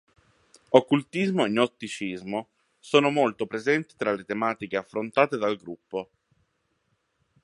Occultismo e gnosticismo sono molto presenti tra le tematiche affrontate dal gruppo.